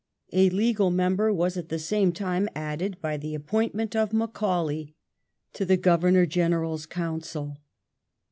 A legal member was at the same time added by the appointment of Macau lay to the Governor General's Council.